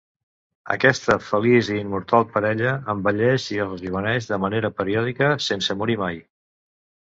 Aquesta feliç i immortal parella envelleix i es rejoveneix de manera periòdica sense morir mai.